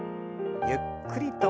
ゆっくりと。